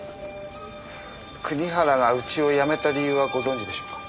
国原がうちを辞めた理由はご存じでしょうか？